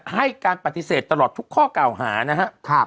ให้การปฏิเสธตลอดทุกข้อเก่าหานะฮะ